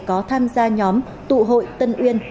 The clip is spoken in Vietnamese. có tham gia nhóm tụ hội tân uyên